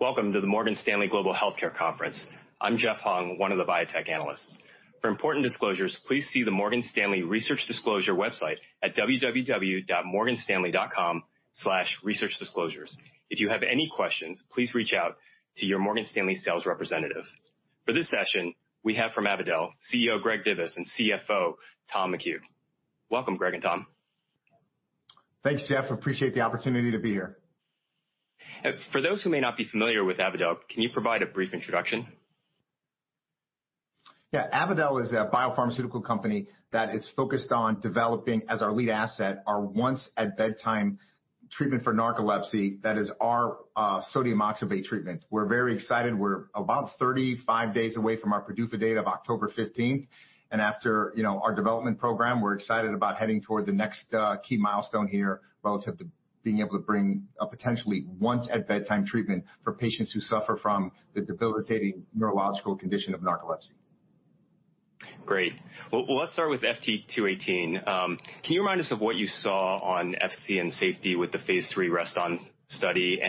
Welcome to the Morgan Stanley Global Healthcare Conference. I'm Jeff Hung, one of the biotech analysts. For important disclosures, please see the Morgan Stanley research disclosure website at www.morganstanley.com/researchdisclosures. If you have any questions, please reach out to your Morgan Stanley sales representative. For this session, we have from Avadel, CEO Greg Divis and CFO Tom McHugh. Welcome, Greg and Tom. Thanks, Jeff. Appreciate the opportunity to be here. For those who may not be familiar with Avadel, can you provide a brief introduction? Yeah. Avadel is a biopharmaceutical company that is focused on developing, as our lead asset, our once-at-bedtime treatment for narcolepsy. That is our sodium oxybate treatment. We're very excited. We're about 35 days away from our PDUFA date of October 15th, and after our development program, we're excited about heading toward the next key milestone here relative to being able to bring a potentially once-at-bedtime treatment for patients who suffer from the debilitating neurological condition of narcolepsy. Great. Well, let's start with FT218. Can you remind us of what you saw on efficacy and safety with the phase III REST-ON study?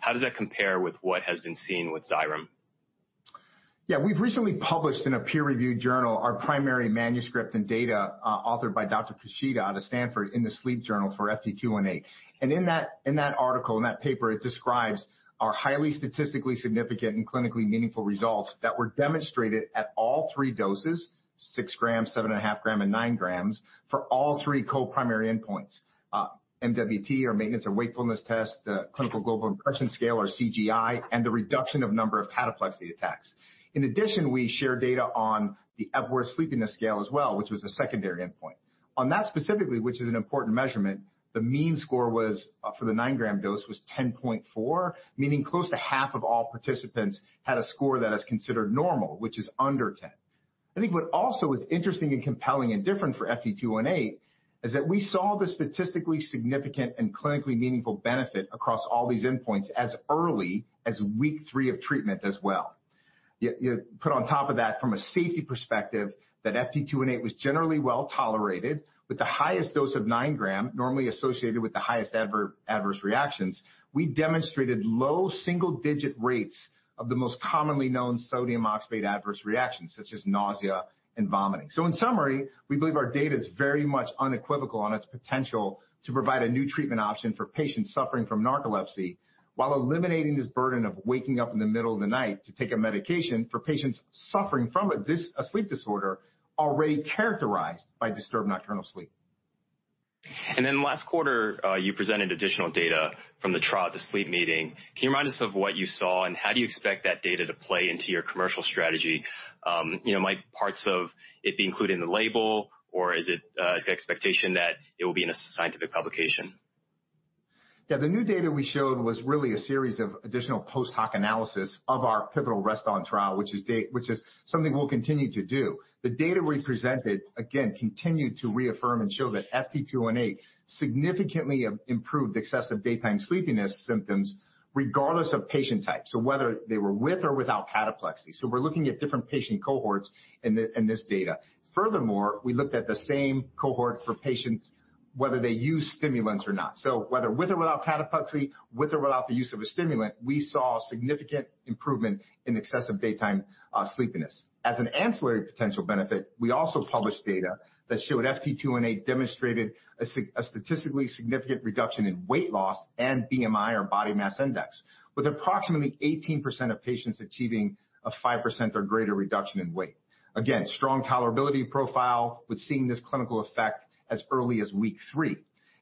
How does that compare with what has been seen with Xyrem? We've recently published in a peer-reviewed journal our primary manuscript and data, authored by Dr. Kushida out of Stanford in the SLEEP Journal for FT218. In that article, in that paper, it describes our highly statistically significant and clinically meaningful results that were demonstrated at all three doses, 6 g, 7.5 g, and 9 g, for all three co-primary endpoints, MWT or maintenance of wakefulness test, the Clinical Global Impression scale or CGI, and the reduction of number of cataplexy attacks. In addition, we share data on the Epworth Sleepiness Scale as well, which was a secondary endpoint. On that specifically, which is an important measurement, the mean score for the 9 g dose was 10.4, meaning close to half of all participants had a score that is considered normal, which is under 10. I think what also is interesting and compelling and different for FT218 is that we saw the statistically significant and clinically meaningful benefit across all these endpoints as early as week three of treatment as well. You put on top of that from a safety perspective, that FT218 was generally well-tolerated with the highest dose of 9 g, normally associated with the highest adverse reactions. We demonstrated low single-digit rates of the most commonly known sodium oxybate adverse reactions, such as nausea and vomiting. In summary, we believe our data is very much unequivocal on its potential to provide a new treatment option for patients suffering from narcolepsy, while eliminating this burden of waking up in the middle of the night to take a medication for patients suffering from a sleep disorder already characterized by disturbed nocturnal sleep. Last quarter, you presented additional data from the trial at the SLEEP Meeting. Can you remind us of what you saw, and how do you expect that data to play into your commercial strategy? Might parts of it be included in the label, or is it expectation that it will be in a scientific publication? The new data we showed was really a series of additional post hoc analysis of our pivotal REST-ON trial, which is something we'll continue to do. The data we presented, again, continued to reaffirm and show that FT218 significantly improved excessive daytime sleepiness symptoms regardless of patient type, so whether they were with or without cataplexy. We're looking at different patient cohorts in this data. Furthermore, we looked at the same cohort for patients, whether they use stimulants or not. Whether with or without cataplexy, with or without the use of a stimulant, we saw significant improvement in excessive daytime sleepiness. As an ancillary potential benefit, we also published data that showed FT218 demonstrated a statistically significant reduction in weight loss and BMI or body mass index, with approximately 18% of patients achieving a 5% or greater reduction in weight. Again, strong tolerability profile with seeing this clinical effect as early as week three.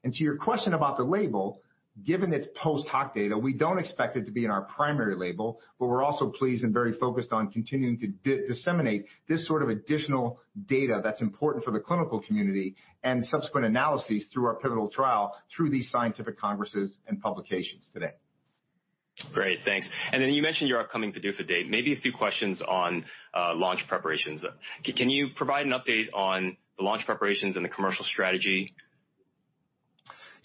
To your question about the label, given it's post hoc data, we don't expect it to be in our primary label, but we're also pleased and very focused on continuing to disseminate this sort of additional data that's important for the clinical community and subsequent analyses through our pivotal trial through these scientific congresses and publications today. Great, thanks. You mentioned your upcoming PDUFA date, maybe a few questions on launch preparations. Can you provide an update on the launch preparations and the commercial strategy?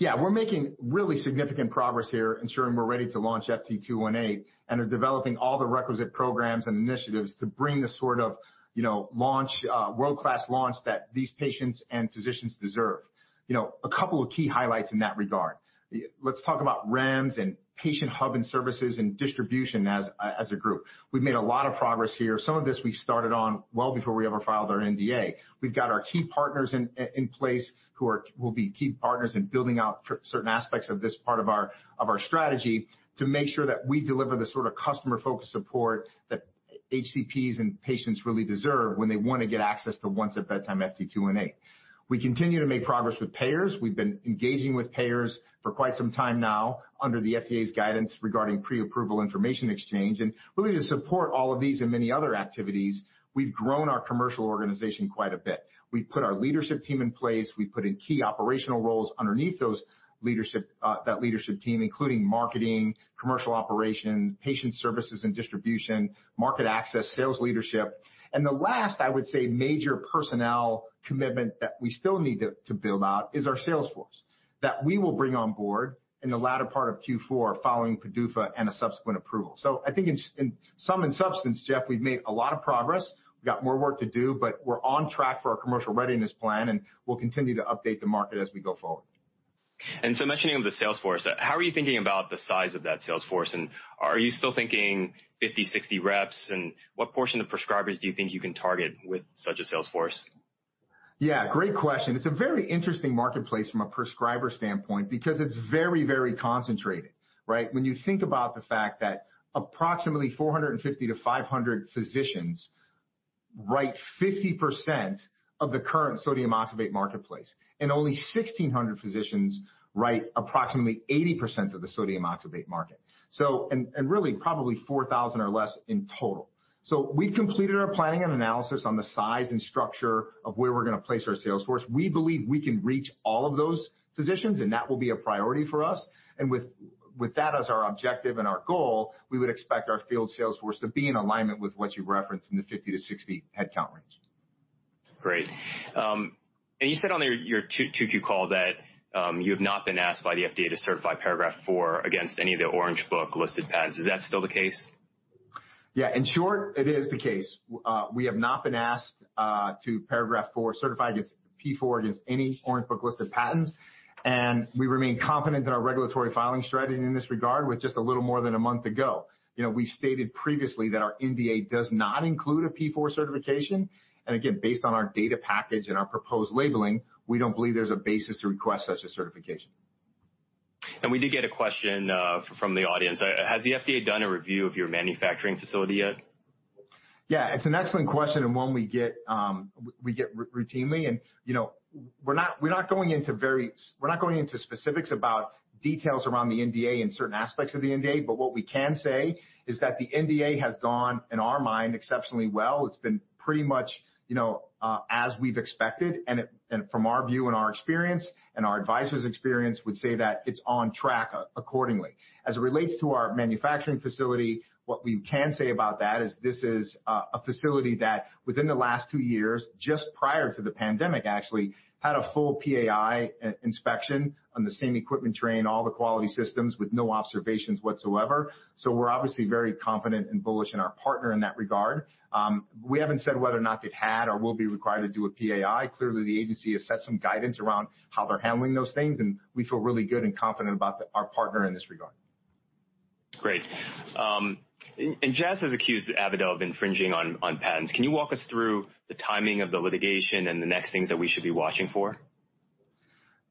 We're making really significant progress here ensuring we're ready to launch FT218 and are developing all the requisite programs and initiatives to bring the sort of world-class launch that these patients and physicians deserve. A couple of key highlights in that regard. Let's talk about REMS and patient hub and services and distribution as a group. We've made a lot of progress here. Some of this we started on well before we ever filed our NDA. We've got our key partners in place who will be key partners in building out certain aspects of this part of our strategy to make sure that we deliver the sort of customer-focused support that HCPs and patients really deserve when they want to get access to once-at-bedtime FT218. We continue to make progress with payers. We've been engaging with payers for quite some time now under the FDA's guidance regarding pre-approval information exchange. Really to support all of these and many other activities, we've grown our commercial organization quite a bit. We've put our leadership team in place. We put in key operational roles underneath that leadership team, including marketing, commercial operation, patient services and distribution, market access, sales leadership. The last, I would say, major personnel commitment that we still need to build out is our sales force that we will bring on board in the latter part of Q4 following PDUFA and a subsequent approval. I think in some substance, Jeff, we've made a lot of progress. We've got more work to do. We're on track for our commercial readiness plan. We'll continue to update the market as we go forward. Mentioning of the sales force, how are you thinking about the size of that sales force? Are you still thinking 50, 60 reps? What portion of prescribers do you think you can target with such a sales force? Yeah, great question. It's a very interesting marketplace from a prescriber standpoint because it's very concentrated, right? When you think about the fact that approximately 450-500 physicians write 50% of the current sodium oxybate marketplace, and only 1,600 physicians write approximately 80% of the sodium oxybate market. Really probably 4,000 or less in total. We've completed our planning and analysis on the size and structure of where we're going to place our sales force. We believe we can reach all of those physicians, and that will be a priority for us. With that as our objective and our goal, we would expect our field sales force to be in alignment with what you've referenced in the 50-60 headcount range. Great. You said on your Q2 call that you have not been asked by the FDA to certify Paragraph IV against any of the Orange Book listed patents. Is that still the case? In short, it is the case. We have not been asked to Paragraph IV certify against P4 against any Orange Book listed patents, and we remain confident in our regulatory filing strategy in this regard with just a little more than a month to go. We stated previously that our NDA does not include a P4 certification, and again, based on our data package and our proposed labeling, we don't believe there's a basis to request such a certification. We did get a question from the audience. Has the FDA done a review of your manufacturing facility yet? It's an excellent question and one we get routinely, and we're not going into specifics about details around the NDA and certain aspects of the NDA, but what we can say is that the NDA has gone, in our mind, exceptionally well. It's been pretty much as we've expected, and from our view and our experience and our advisors' experience, would say that it's on track accordingly. As it relates to our manufacturing facility, what we can say about that is this is a facility that within the last two years, just prior to the pandemic actually, had a full PAI inspection on the same equipment train, all the quality systems with no observations whatsoever. We're obviously very confident and bullish in our partner in that regard. We haven't said whether or not they've had or will be required to do a PAI. Clearly, the agency has set some guidance around how they're handling those things, and we feel really good and confident about our partner in this regard. Great. Jazz has accused Avadel of infringing on patents. Can you walk us through the timing of the litigation and the next things that we should be watching for?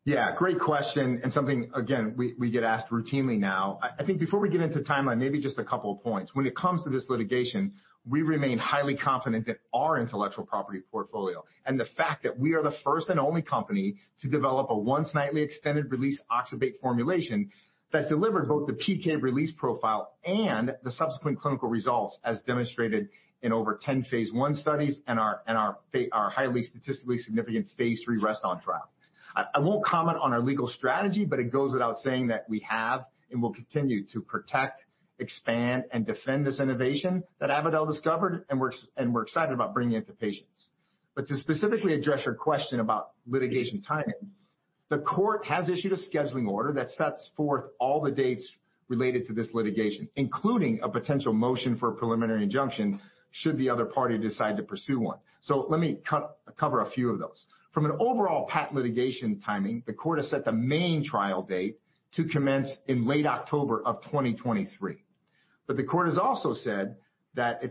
Yeah, great question. Something, again, we get asked routinely now. I think before we get into timeline, maybe just a couple of points. When it comes to this litigation, we remain highly confident in our intellectual property portfolio and the fact that we are the first and only company to develop a once-nightly extended-release oxybate formulation that delivered both the PK release profile and the subsequent clinical results, as demonstrated in over 10 phase I studies and our highly statistically significant phase III REST-ON trial. I won't comment on our legal strategy. It goes without saying that we have and will continue to protect, expand, and defend this innovation that Avadel discovered, and we're excited about bringing it to patients. To specifically address your question about litigation timing, the court has issued a scheduling order that sets forth all the dates related to this litigation, including a potential motion for a preliminary injunction should the other party decide to pursue one. Let me cover a few of those. From an overall patent litigation timing, the court has set the main trial date to commence in late October of 2023. The court has also said that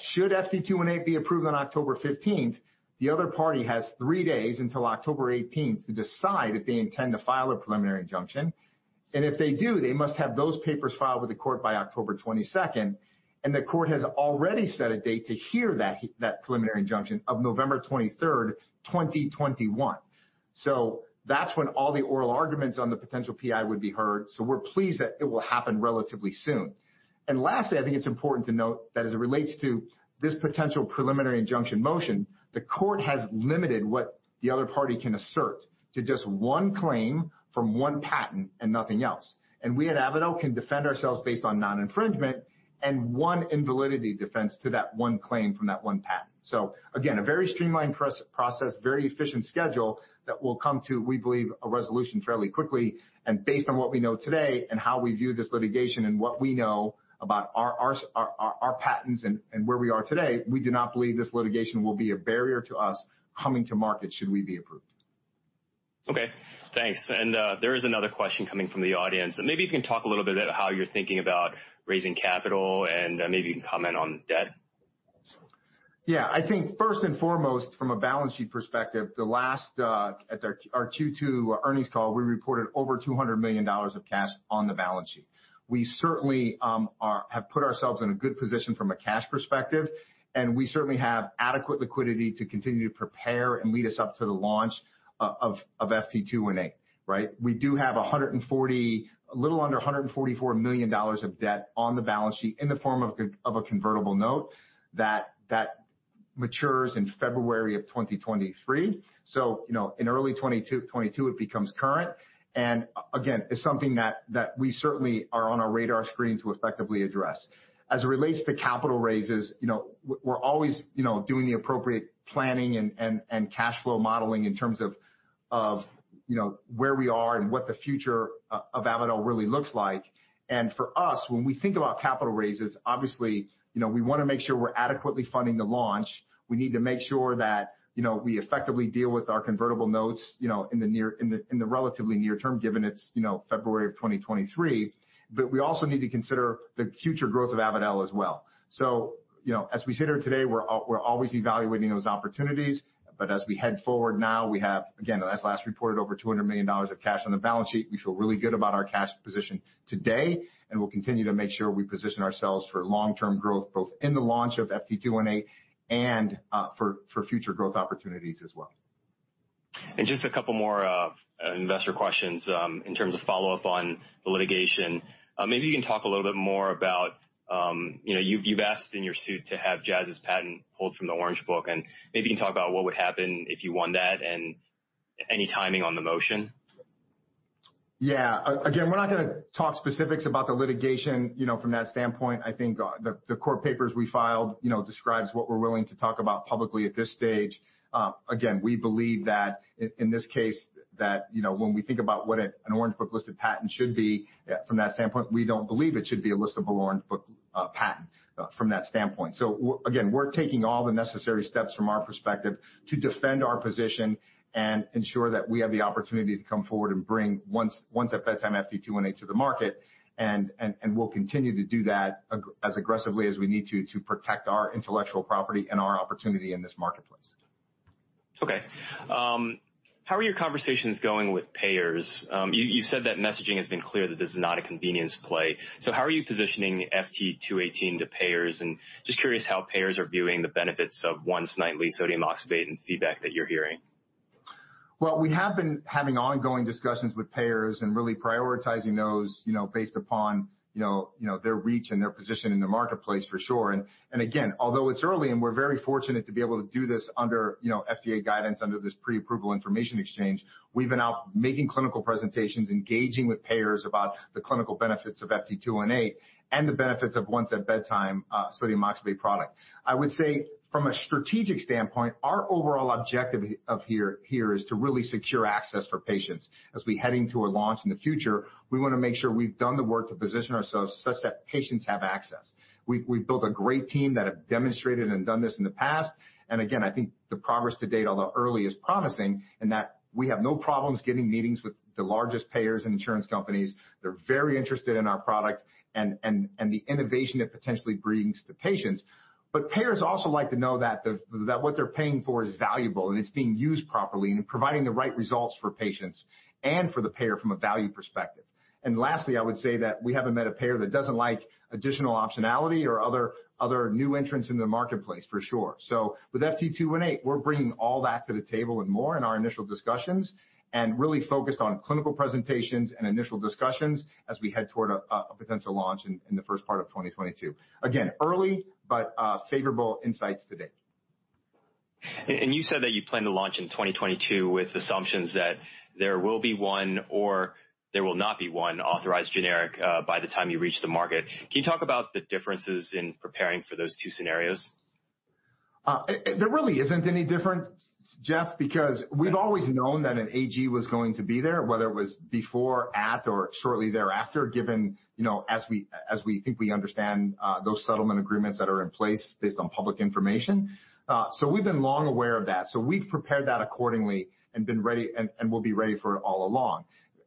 should FT218 be approved on October 15th, the other party has three days until October 18th to decide if they intend to file a preliminary injunction. If they do, they must have those papers filed with the court by October 22nd, and the court has already set a date to hear that preliminary injunction of November 23rd, 2021. That's when all the oral arguments on the potential PI would be heard. We're pleased that it will happen relatively soon. Lastly, I think it's important to note that as it relates to this potential preliminary injunction motion, the court has limited what the other party can assert to just one claim from one patent and nothing else. We at Avadel can defend ourselves based on non-infringement and one invalidity defense to that one claim from that one patent. Again, a very streamlined process, very efficient schedule that will come to, we believe, a resolution fairly quickly. Based on what we know today and how we view this litigation and what we know about our patents and where we are today, we do not believe this litigation will be a barrier to us coming to market should we be approved. Okay, thanks. There is another question coming from the audience. Maybe you can talk a little bit about how you're thinking about raising capital, and maybe you can comment on debt. I think first and foremost, from a balance sheet perspective, at our Q2 earnings call, we reported over $200 million of cash on the balance sheet. We certainly have put ourselves in a good position from a cash perspective, and we certainly have adequate liquidity to continue to prepare and lead us up to the launch of FT218, right? We do have a little under $144 million of debt on the balance sheet in the form of a convertible note that matures in February of 2023. In early 2022, it becomes current, and again, it's something that we certainly are on our radar screen to effectively address. As it relates to capital raises, we're always doing the appropriate planning and cash flow modeling in terms of where we are and what the future of Avadel really looks like. For us, when we think about capital raises, obviously, we want to make sure we're adequately funding the launch. We need to make sure that we effectively deal with our convertible notes in the relatively near term, given it's February of 2023. We also need to consider the future growth of Avadel as well. As we sit here today, we're always evaluating those opportunities. As we head forward now, we have, again, as last reported, over $200 million of cash on the balance sheet. We feel really good about our cash position today, and we'll continue to make sure we position ourselves for long-term growth, both in the launch of FT218 and for future growth opportunities as well. Just a couple more investor questions in terms of follow-up on the litigation. Maybe you can talk a little bit more about, you've asked in your suit to have Jazz's patent pulled from the Orange Book, and maybe you can talk about what would happen if you won that and any timing on the motion. Again, we're not going to talk specifics about the litigation from that standpoint. I think the court papers we filed describes what we're willing to talk about publicly at this stage. Again, we believe that in this case that when we think about what an Orange Book-listed patent should be from that standpoint, we don't believe it should be a listable Orange Book patent from that standpoint. Again, we're taking all the necessary steps from our perspective to defend our position and ensure that we have the opportunity to come forward and bring once-at-bedtime FT218 to the market. We'll continue to do that as aggressively as we need to protect our intellectual property and our opportunity in this marketplace. Okay. How are your conversations going with payers? You said that messaging has been clear that this is not a convenience play. How are you positioning FT218 to payers? Just curious how payers are viewing the benefits of once nightly sodium oxybate and feedback that you're hearing. Well, we have been having ongoing discussions with payers and really prioritizing those based upon their reach and their position in the marketplace for sure. Again, although it's early and we're very fortunate to be able to do this under FDA guidance, under this Pre-Approval Information Exchange, we've been out making clinical presentations, engaging with payers about the clinical benefits of FT218 and the benefits of once-at-bedtime sodium oxybate product. I would say from a strategic standpoint, our overall objective here is to really secure access for patients. As we heading to a launch in the future, we want to make sure we've done the work to position ourselves such that patients have access. We've built a great team that have demonstrated and done this in the past. I think the progress to date, although early, is promising in that we have no problems getting meetings with the largest payers and insurance companies. They're very interested in our product and the innovation it potentially brings to patients. Payers also like to know that what they're paying for is valuable and it's being used properly and providing the right results for patients and for the payer from a value perspective. Lastly, I would say that we haven't met a payer that doesn't like additional optionality or other new entrants in the marketplace for sure. With FT218, we're bringing all that to the table and more in our initial discussions and really focused on clinical presentations and initial discussions as we head toward a potential launch in the first part of 2022. Again, early, but favorable insights to date. You said that you plan to launch in 2022 with assumptions that there will be one or there will not be one authorized generic by the time you reach the market. Can you talk about the differences in preparing for those two scenarios? There really isn't any difference, Jeff, because we've always known that an AG was going to be there, whether it was before, at, or shortly thereafter, given as we think we understand those settlement agreements that are in place based on public information. We've been long aware of that. We've prepared that accordingly and will be ready for it all along.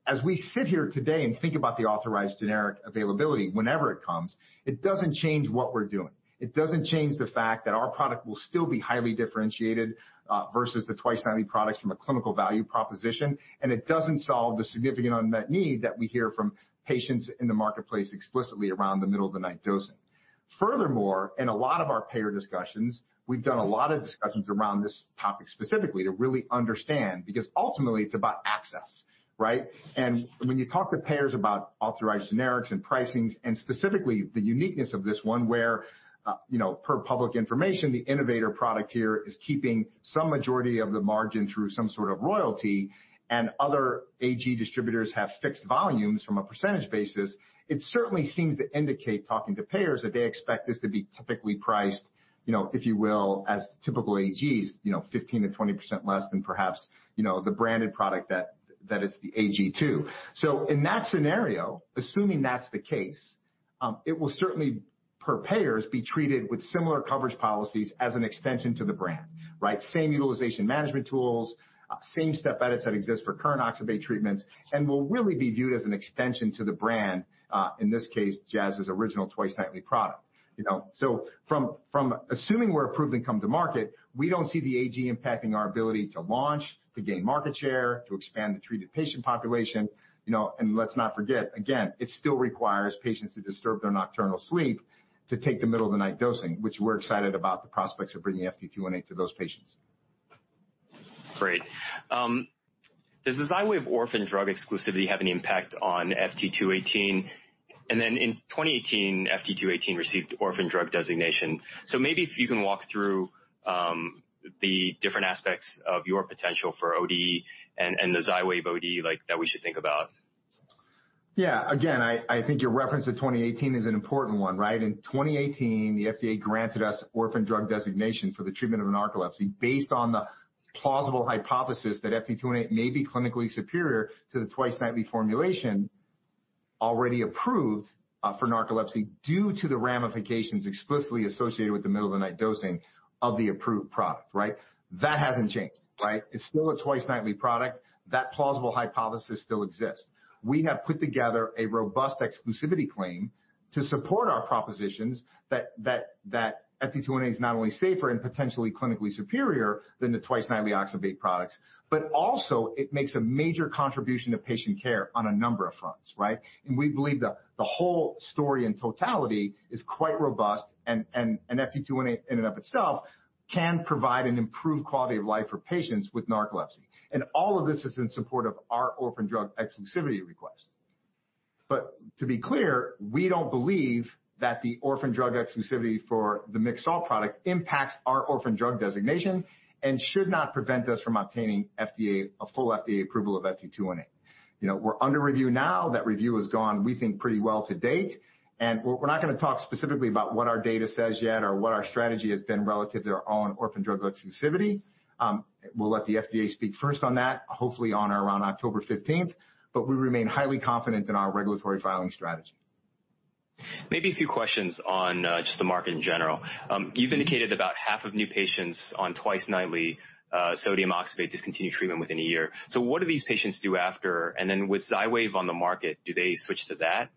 As we sit here today and think about the authorized generic availability, whenever it comes, it doesn't change what we're doing. It doesn't change the fact that our product will still be highly differentiated versus the twice-nightly products from a clinical value proposition, and it doesn't solve the significant unmet need that we hear from patients in the marketplace explicitly around the middle-of-the-night dosing. Furthermore, in a lot of our payer discussions, we've done a lot of discussions around this topic specifically to really understand, because ultimately it's about access, right? When you talk with payers about authorized generics and pricings and specifically the uniqueness of this one where per public information, the innovator product here is keeping some majority of the margin through some sort of royalty and other AG distributors have fixed volumes from a percentage basis. It certainly seems to indicate talking to payers that they expect this to be typically priced, if you will, as typical AGs 15%-20% less than perhaps the branded product that is the AG too. In that scenario, assuming that's the case, it will certainly, for payers, be treated with similar coverage policies as an extension to the brand, right? Same utilization management tools, same step edits that exist for current oxybate treatments, will really be viewed as an extension to the brand, in this case, Jazz's original twice-nightly product. From assuming we're approved and come to market, we don't see the AG impacting our ability to launch, to gain market share, to expand the treated patient population. Let's not forget, again, it still requires patients to disturb their nocturnal sleep to take the middle-of-the-night dosing, which we're excited about the prospects of bringing FT218 to those patients. Great. Does the XYWAV orphan drug exclusivity have any impact on FT218? In 2018, FT218 received orphan drug designation. Maybe if you can walk through the different aspects of your potential for OD and the XYWAV OD that we should think about. Again, I think your reference to 2018 is an important one, right? In 2018, the FDA granted us orphan drug designation for the treatment of narcolepsy based on the plausible hypothesis that FT218 may be clinically superior to the twice-nightly formulation already approved for narcolepsy due to the ramifications explicitly associated with the middle of the night dosing of the approved product. That hasn't changed, right? It's still a twice nightly product. That plausible hypothesis still exists. We have put together a robust exclusivity claim to support our propositions that FT218 is not only safer and potentially clinically superior than the twice nightly oxybate products, but also it makes a major contribution to patient care on a number of fronts, right? We believe the whole story in totality is quite robust and FT218 in and of itself can provide an improved quality of life for patients with narcolepsy. All of this is in support of our orphan drug exclusivity request. To be clear, we don't believe that the orphan drug exclusivity for the mixed-salt product impacts our orphan drug designation and should not prevent us from obtaining a full FDA approval of FT218. We're under review now. That review has gone, we think, pretty well to date, and we're not going to talk specifically about what our data says yet or what our strategy has been relative to our own orphan drug exclusivity. We'll let the FDA speak first on that, hopefully on or around October 15th. We remain highly confident in our regulatory filing strategy. Maybe a few questions on just the market in general. You've indicated about half of new patients on twice nightly sodium oxybate discontinue treatment within a year. What do these patients do after? With Xywav on the market, do they switch to that?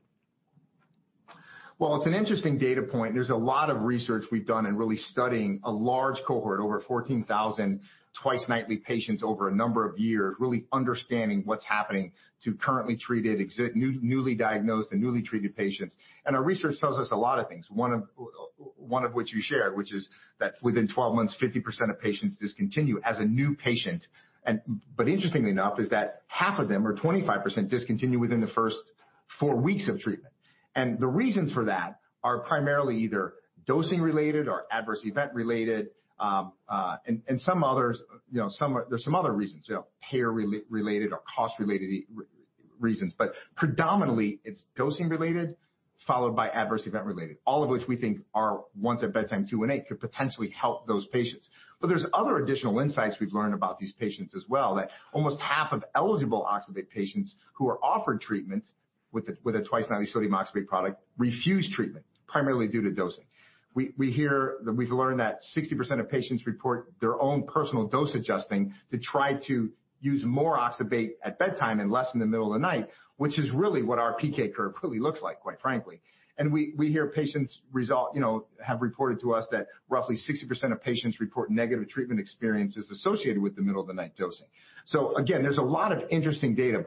Well, it's an interesting data point. There's a lot of research we've done in really studying a large cohort, over 14,000 twice nightly patients over a number of years, really understanding what's happening to currently treated, newly diagnosed, and newly treated patients. Our research tells us a lot of things, one of which you shared, which is that within 12 months, 50% of patients discontinue as a new patient. Interestingly enough, is that half of them, or 25%, discontinue within the first four weeks of treatment. The reasons for that are primarily either dosing related or adverse event related. There's some other reasons, payer related or cost related reasons, but predominantly it's dosing related, followed by adverse event related. All of which we think our once-at-bedtime 218 could potentially help those patients. There's other additional insights we've learned about these patients as well, that almost half of eligible oxybate patients who are offered treatment with a twice-nightly sodium oxybate product refuse treatment primarily due to dosing. We've learned that 60% of patients report their own personal dose adjusting to try to use more oxybate at bedtime and less in the middle of the night, which is really what our PK curve really looks like, quite frankly. We hear patients have reported to us that roughly 60% of patients report negative treatment experiences associated with the middle of the night dosing. Again, there's a lot of interesting data,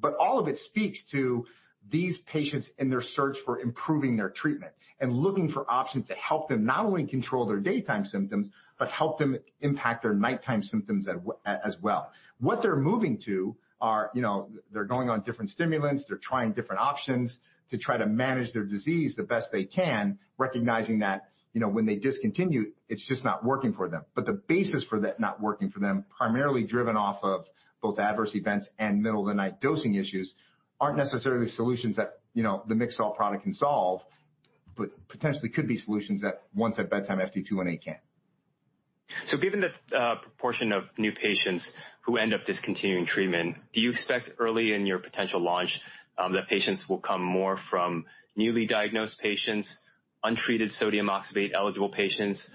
but all of it speaks to these patients and their search for improving their treatment and looking for options to help them not only control their daytime symptoms but help them impact their nighttime symptoms as well. What they're moving to, they're going on different stimulants. They're trying different options to try to manage their disease the best they can, recognizing that when they discontinue, it's just not working for them. The basis for that not working for them, primarily driven off of both adverse events and middle of the night dosing issues, aren't necessarily solutions that the mixed-salt product can solve, but potentially could be solutions that once at bedtime FT218 can. Given the proportion of new patients who end up discontinuing treatment, do you expect early in your potential launch that patients will come more from newly diagnosed patients, untreated sodium oxybate eligible patients,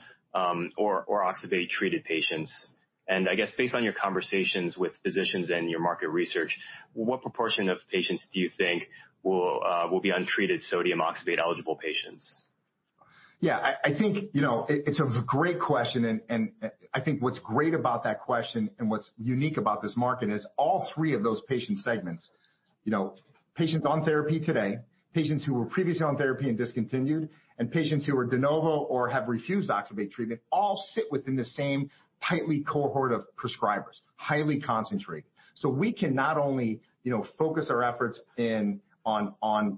or oxybate treated patients? I guess based on your conversations with physicians and your market research, what proportion of patients do you think will be untreated sodium oxybate eligible patients? I think it's a great question, and I think what's great about that question and what's unique about this market is all three of those patient segments. Patients on therapy today, patients who were previously on therapy and discontinued, and patients who are de novo or have refused oxybate treatment all sit within the same tightly cohort of prescribers, highly concentrated. We can not only focus our efforts on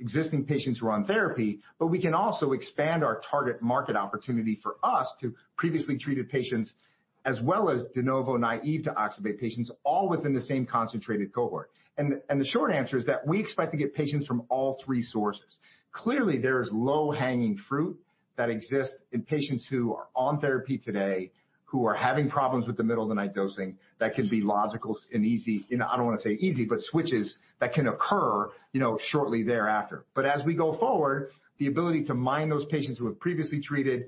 existing patients who are on therapy, but we can also expand our target market opportunity for us to previously treated patients, as well as de novo naive to oxybate patients, all within the same concentrated cohort. The short answer is that we expect to get patients from all three sources. Clearly, there is low hanging fruit that exists in patients who are on therapy today who are having problems with the middle of the night dosing that can be logical and easy. I don't want to say easy, but switches that can occur shortly thereafter. As we go forward, the ability to mine those patients who have previously treated,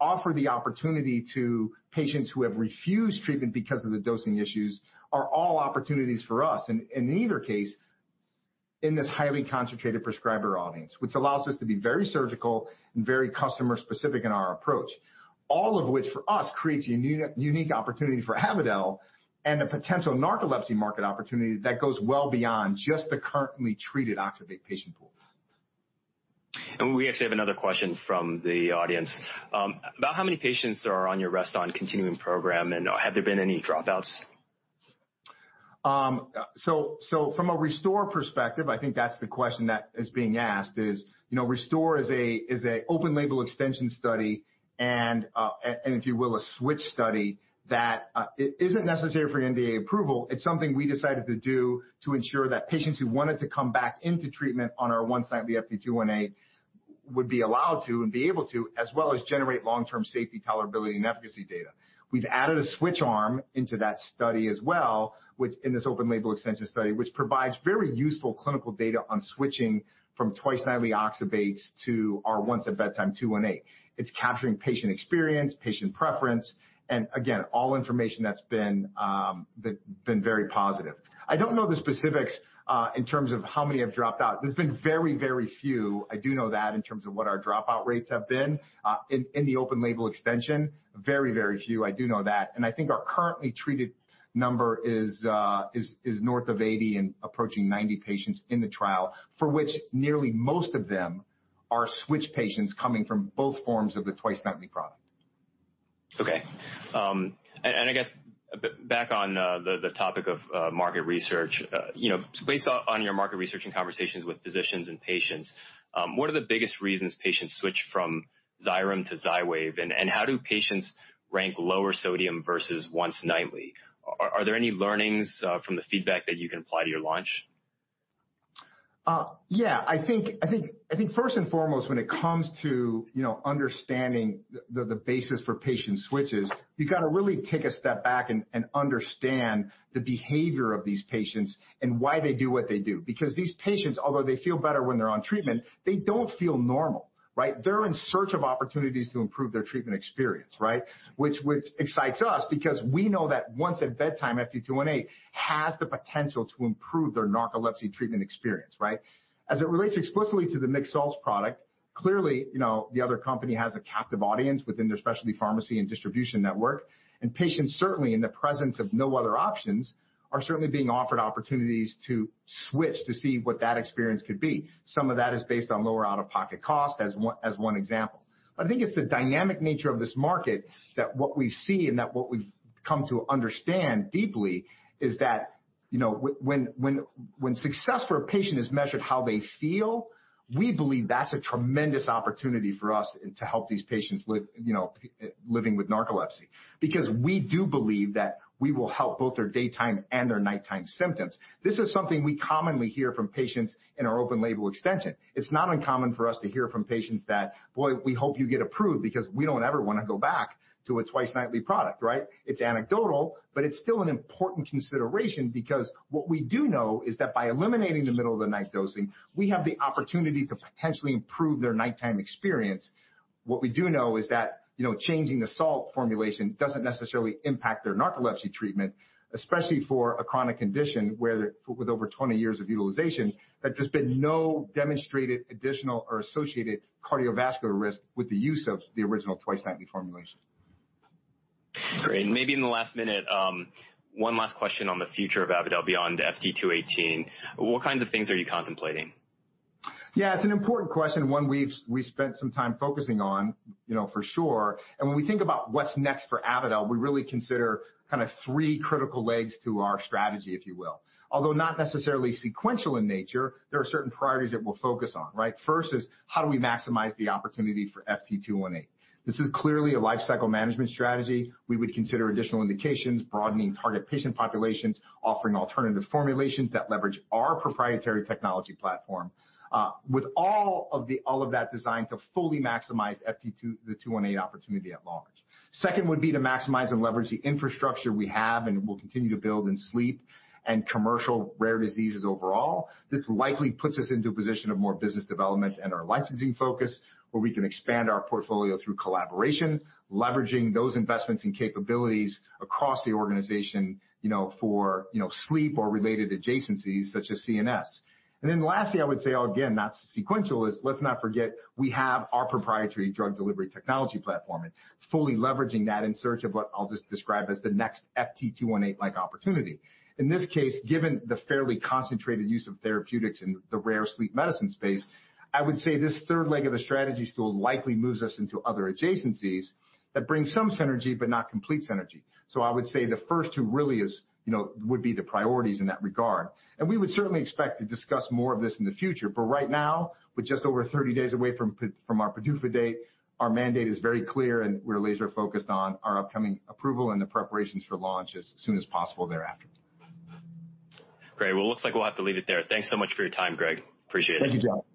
offer the opportunity to patients who have refused treatment because of the dosing issues are all opportunities for us in either case in this highly concentrated prescriber audience, which allows us to be very surgical and very customer specific in our approach. All of which for us creates a unique opportunity for Avadel and a potential narcolepsy market opportunity that goes well beyond just the currently treated oxybate patient pool. We actually have another question from the audience. About how many patients are on your REST-ON continuing program, and have there been any dropouts? From a RESTORE perspective, I think that's the question that is being asked is, RESTORE is a open-label extension study and if you will, a switch study that isn't necessary for NDA approval. It's something we decided to do to ensure that patients who wanted to come back into treatment on our once-nightly FT218 would be allowed to and be able to, as well as generate long-term safety, tolerability, and efficacy data. We've added a switch arm into that study as well, in this open-label extension study, which provides very useful clinical data on switching from twice-nightly oxybates to our once-at-bedtime 218. It's capturing patient experience, patient preference, and again, all information that's been very positive. I don't know the specifics in terms of how many have dropped out. There's been very, very few. I do know that in terms of what our dropout rates have been in the open label extension, very, very few. I do know that. I think our currently treated number is north of 80 and approaching 90 patients in the trial, for which nearly most of them are switch patients coming from both forms of the twice nightly product. Okay. I guess back on the topic of market research. Based on your market research and conversations with physicians and patients, what are the biggest reasons patients switch from Xyrem to Xywav? How do patients rank lower sodium versus once nightly? Are there any learnings from the feedback that you can apply to your launch? Yeah, I think first and foremost, when it comes to understanding the basis for patient switches, you got to really take a step back and understand the behavior of these patients and why they do what they do. These patients, although they feel better when they're on treatment, they don't feel normal, right? They're in search of opportunities to improve their treatment experience, right? It excites us because we know that once-at-bedtime, FT218, has the potential to improve their narcolepsy treatment experience, right? As it relates explicitly to the mixed-salt product, clearly, the other company has a captive audience within their specialty pharmacy and distribution network, and patients certainly, in the presence of no other options, are certainly being offered opportunities to switch to see what that experience could be. Some of that is based on lower out-of-pocket cost as one example. I think it's the dynamic nature of this market that what we see and that what we've come to understand deeply is that when success for a patient is measured how they feel, we believe that's a tremendous opportunity for us to help these patients living with narcolepsy because we do believe that we will help both their daytime and their nighttime symptoms. This is something we commonly hear from patients in our open label extension. It's not uncommon for us to hear from patients that, "Boy, we hope you get approved because we don't ever want to go back to a twice nightly product." Right? It's anecdotal, but it's still an important consideration because what we do know is that by eliminating the middle of the night dosing, we have the opportunity to potentially improve their nighttime experience. What we do know is that changing the salt formulation doesn't necessarily impact their narcolepsy treatment, especially for a chronic condition with over 20 years of utilization, that there's been no demonstrated additional or associated cardiovascular risk with the use of the original twice nightly formulation. Great. Maybe in the last minute, one last question on the future of Avadel beyond FT218. What kinds of things are you contemplating? Yeah, it's an important question, one we've spent some time focusing on for sure. When we think about what's next for Avadel, we really consider kind of three critical legs to our strategy, if you will. Although not necessarily sequential in nature, there are certain priorities that we'll focus on, right? First is how do we maximize the opportunity for FT218? This is clearly a lifecycle management strategy. We would consider additional indications, broadening target patient populations, offering alternative formulations that leverage our proprietary technology platform, with all of that designed to fully maximize FT218 opportunity at large. Second would be to maximize and leverage the infrastructure we have and will continue to build in sleep and commercial rare diseases overall. This likely puts us into a position of more business development and our licensing focus, where we can expand our portfolio through collaboration, leveraging those investments and capabilities across the organization for sleep or related adjacencies such as CNS. Lastly, I would say, again, not sequential, is let's not forget we have our proprietary drug delivery technology platform and fully leveraging that in search of what I'll just describe as the next FT218-like opportunity. In this case, given the fairly concentrated use of therapeutics in the rare sleep medicine space, I would say this third leg of the strategy stool likely moves us into other adjacencies that bring some synergy but not complete synergy. I would say the first two really would be the priorities in that regard. We would certainly expect to discuss more of this in the future. Right now, with just over 30 days away from our PDUFA date, our mandate is very clear, and we're laser focused on our upcoming approval and the preparations for launch as soon as possible thereafter. Great. Well, looks like we'll have to leave it there. Thanks so much for your time, Greg. Appreciate it. Thank you, Jeff.